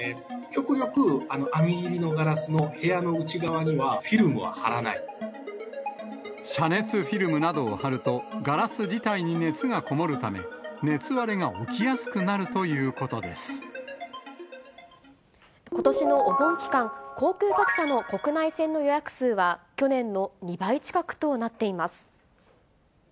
極力、網入りのガラスの部屋の内遮熱フィルムなどを貼ると、ガラス自体に熱がこもるため、熱割れが起きやすくなるというこことしのお盆期間、航空各社の国内線の予約数は、去年の２倍近くとなっています。